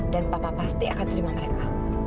dan papa pasti akan terima mereka